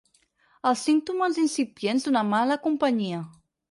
Els símptomes incipients d’una mala companyia.